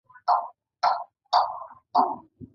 زه اوسنی وخت کاروم.